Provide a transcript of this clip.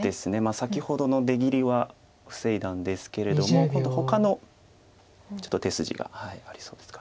先ほどの出切りは防いだんですけれども今度ほかのちょっと手筋がありそうですか。